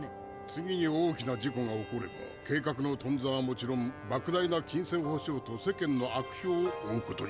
次に大きな事故が起これば計画のとんざはもちろん莫大な金銭補償と世間の悪評を生むことになります。